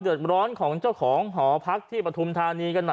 เดือดร้อนของเจ้าของห่อพักที่ปฏิหรรมธนียอกัน